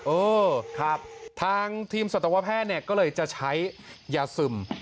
เออทางทีมสัตวแพทย์เนี่ยก็เลยจะใช้ยาซึม